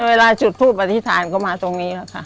เวลาจุดทูปอธิษฐานก็มาตรงนี้ค่ะ